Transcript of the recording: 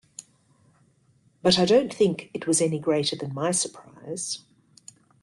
But I don't think it was any greater than my surprise.